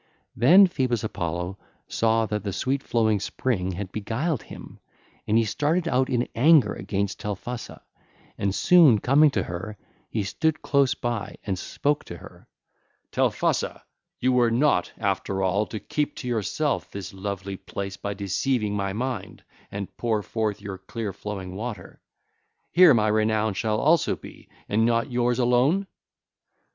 (ll. 375 378) Then Phoebus Apollo saw that the sweet flowing spring had beguiled him, and he started out in anger against Telphusa; and soon coming to her, he stood close by and spoke to her: (ll. 379 381) 'Telphusa, you were not, after all, to keep to yourself this lovely place by deceiving my mind, and pour forth your clear flowing water: here my renown shall also be and not yours alone?